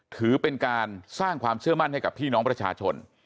ถือเป็นการสร้างความเชื่อมั่นให้กับพี่น้องประชาชน